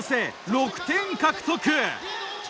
６点獲得。